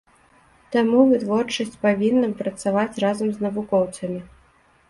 Таму вытворчасць павінна працаваць разам з навукоўцамі.